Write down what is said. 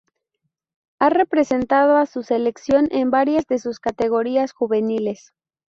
Ha representado a su selección en varias de sus categorías juveniles.